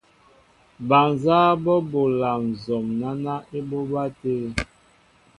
Bal nzáá bɔ́ bola nzɔm náná ébobá tê.